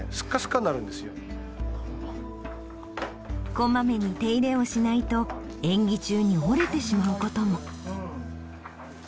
こまめに手入れをしないと演技中に折れてしまうことも。